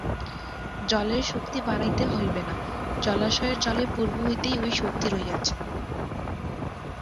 জলের শক্তি বাড়াইতে হইবে না, জলাশয়ের জলে পূর্ব হইতেই ঐ শক্তি রহিয়াছে।